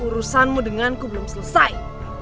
urusanmu denganku belum selesai